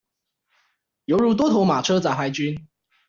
猶如多頭馬車雜牌軍